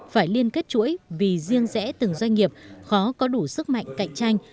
phải liên kết chuỗi vì riêng rẽ từng doanh nghiệp khó có đủ sức mạnh cạnh tranh